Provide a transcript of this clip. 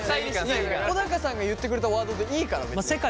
小高さんが言ってくれたワードでいいから別に。